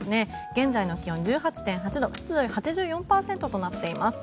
現在の気温、１８．８度湿度８４％となっています。